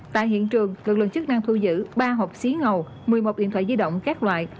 tại hiện trường lực lượng chức năng thu giữ ba hộp xí ngầu một mươi một điện thoại di động các loại